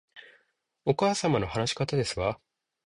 お母様の話し方ですわ